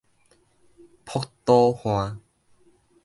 噗肚岸